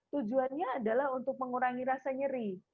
tujuannya adalah untuk mengurangi rasa nyeri